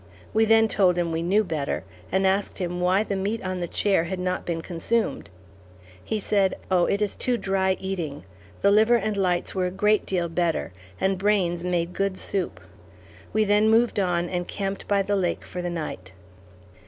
We then told him we knew better, and asked him why the meat on the chair had not been consumed. He said, "Oh, it is too dry eating; the liver and lights were a great deal better, and brains made good soup!" We then moved on and camped by the lake for the night.